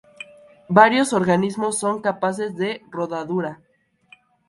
Varios organismos son capaces de rodadura.